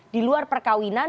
di luar perkawinan